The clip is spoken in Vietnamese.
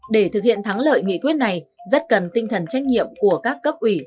để thực hiện thắng lợi nghị quyết này rất cần tinh thần trách nhiệm của các cấp ủy